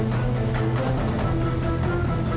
coba lebih kenceng lagi